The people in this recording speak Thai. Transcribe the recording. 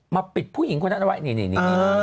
ปิดผู้หญิงคนนั้นเอาไว้นี่